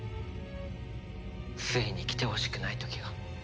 ついに来てほしくない時が。